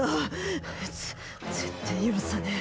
あいつ絶対許さねえ。